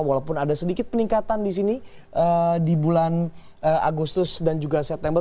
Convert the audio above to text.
walaupun ada sedikit peningkatan di sini di bulan agustus dan juga september